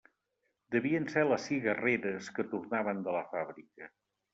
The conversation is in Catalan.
Devien ser les cigarreres que tornaven de la fàbrica.